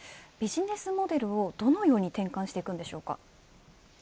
ビジネスモデルをどのように転換していくんでしょうか。